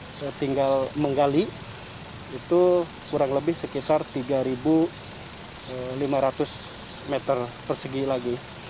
saya tinggal menggali itu kurang lebih sekitar tiga lima ratus meter persegi lagi